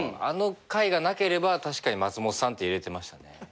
あの会がなければ確かに松本さんって入れてましたね。